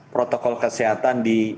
protokol kesehatan di